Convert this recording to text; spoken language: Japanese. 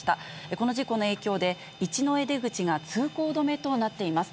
この事故の影響で、一之江出口が通行止めとなっています。